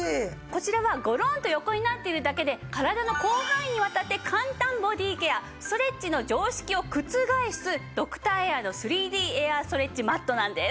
こちらはごろんと横になっているだけで体の広範囲にわたって簡単ボディーケアストレッチの常識を覆すドクターエアの３Ｄエアストレッチマットなんです。